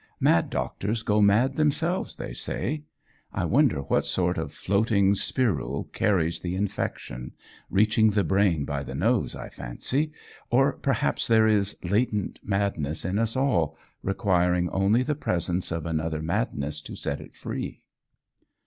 Mad doctors go mad themselves, they say. I wonder what sort of floating sporule carries the infection reaching the brain by the nose, I fancy. Or perhaps there is latent madness in us all, requiring only the presence of another madness to set it free."